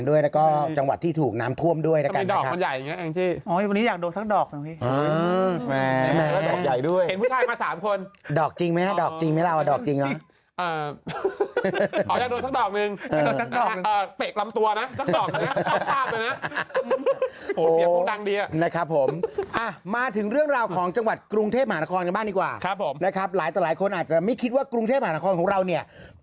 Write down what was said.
ดอกอีสานด้วยแล้วก็จังหวัดที่ถูกน้ำท่วมด้วย